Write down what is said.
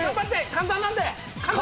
簡単なんで。